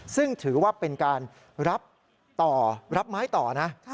ซึ่งถือว่าเป็นการรับต่อรับไม้ต่อนะ